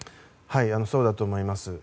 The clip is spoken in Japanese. そうだと思います。